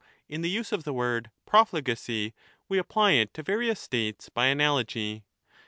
in the use of the word ' profligacy ', we apply it to various states by analogy.